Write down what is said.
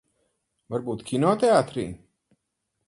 Varbūt kinoteātrī?